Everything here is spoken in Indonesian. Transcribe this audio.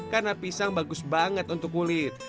karena pisang bagus banget untuk kulit